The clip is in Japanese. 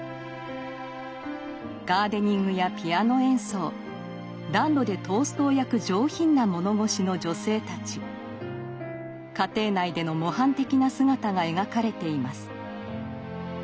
ガーデニングやピアノ演奏暖炉でトーストを焼く上品な物腰の女性たち家庭内での模範的な姿が描かれています。